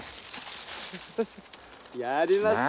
やりました！